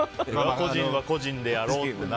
個人は個人でやろうって。